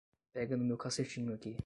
Pega no meu cacetinho aqui